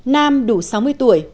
nam đủ sáu mươi tuổi